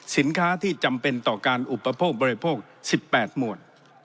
สินค้าที่จำเป็นต่อการอุปโภคบริโภค๑๘หมวด